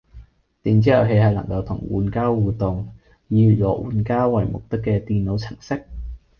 電子遊戲係能夠同玩家互動、以娛樂玩家為目的嘅電腦程式